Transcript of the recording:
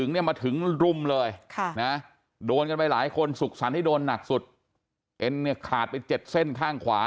งั้นเรารู้ตัวไหมเนี่ยคนผู้ก่อเหตุ